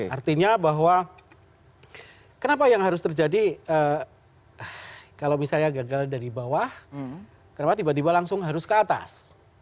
artinya bahwa kenapa yang harus terjadi kalau misalnya gagal dari bawah kenapa tiba tiba langsung harus ke atas